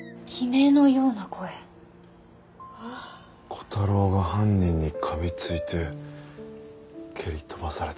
小太郎が犯人に噛みついて蹴り飛ばされた。